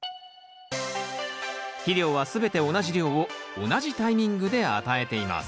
肥料はすべて同じ量を同じタイミングで与えています。